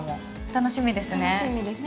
楽しみですね。